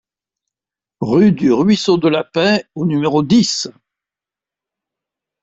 Rue du Ruisseau de la Paix au numéro dix